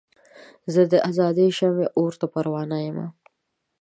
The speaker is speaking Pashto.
زه د ازادۍ د شمعې اور ته پروانه یمه.